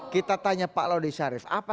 kita tanya pak laudi syarif apa